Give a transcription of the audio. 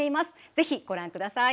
ぜひご覧ください。